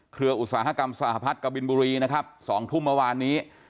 เครืออุตสาหกรรมสหพัฒนฯกระบิลบุรีนะครับสองทุ่มเมื่อวานนี้